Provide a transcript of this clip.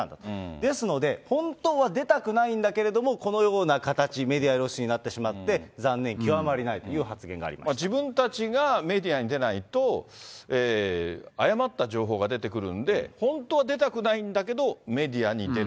ですので、本当は出たくないんだけれども、このような形、メディア露出になってしまって残念極まりないという発言がありま自分たちがメディアに出ないと、誤った情報が出てくるんで、本当は出たくないんだけど、メディアに出る。